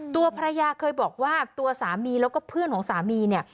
ตัวภรรยาเคยบอกว่าตัวสามีแล้วก็เพื่อนของสามีเนี่ย